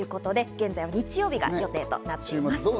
現在は日曜日が予定となっています。